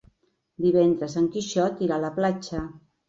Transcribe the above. Divendres en Quixot irà a la platja.